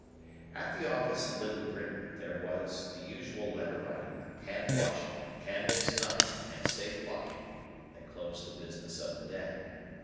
At the office in Little Britain there was the usual letter writing, hand washing, candle snuffing, and safe locking, that closed the business of the day.